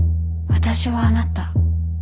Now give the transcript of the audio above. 私はあなた。